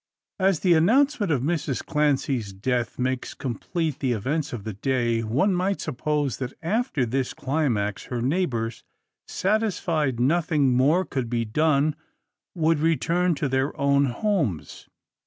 As the announcement of Mrs Clancy's death makes complete the events of the day, one might suppose, that after this climax, her neighbours, satisfied nothing more could be done, would return to their own homes.